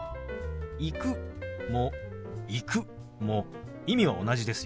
「行く」も「行く」も意味は同じですよ。